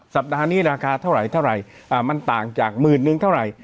สัปดาห์นี้ราคาเท่าไหร่มันต่างจากหมื่นนึงเท่าไหร่